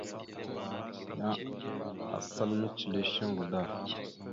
Yan asal mecəle shuŋgo da.